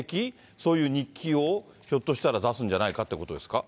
そういう日記をひょっとしたら出すんじゃないかということですか。